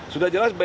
sudah jelas bim